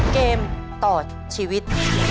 เกมต่อชีวิต